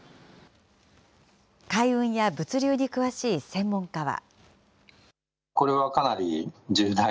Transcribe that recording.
海運や物流に詳しい専門家は。